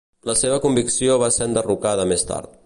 La seva convicció va ser enderrocada més tard.